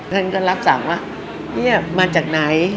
ท่านก็รับสั่งว่าเนี่ยมาจากไหน